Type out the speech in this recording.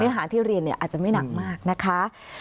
อาหารที่เรียนอาจจะไม่หนักมากนะคะ